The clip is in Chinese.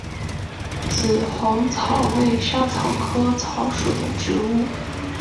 紫红鞘薹草为莎草科薹草属的植物。